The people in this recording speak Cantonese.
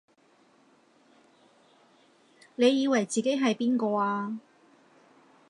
你以為自己係邊個啊？